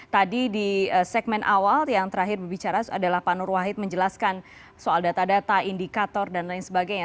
tadi di segmen awal yang terakhir berbicara adalah pak nur wahid menjelaskan soal data data indikator dan lain sebagainya